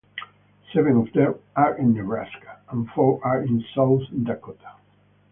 Seven of them are in Nebraska and four are in South Dakota.